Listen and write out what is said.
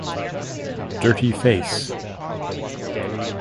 Dirty Face!